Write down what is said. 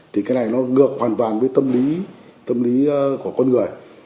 thì cái này nó ngược hoàn toàn với tâm lý tâm lý của con người